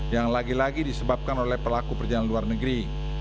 yang lagi lagi disebabkan oleh pelaku perjalanan luar negeri